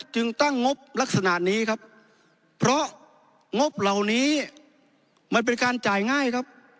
จึงตั้งงบลักษณะนี้ครับเพราะงบเหล่านี้มันเป็นการจ่ายง่ายครับ